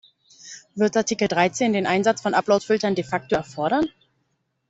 Wird Artikel Dreizehn den Einsatz von Upload-Filtern de facto erfordern?